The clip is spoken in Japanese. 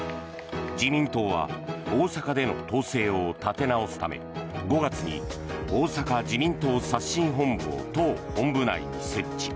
自民党は大阪での党勢を立て直すため５月に大阪自民党刷新本部を党内に設置。